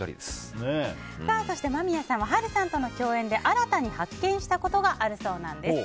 そして、間宮さんは波瑠さんとの共演で新たに発見したことがあるそうです。